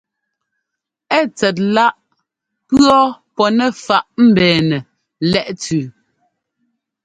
Ɛ́ tsɛt láꞌ pʉ̈ɔ́ pɔ́ nɛ faꞌ mbɛ́ɛnɛ lɛ́ꞌ tsʉʉ.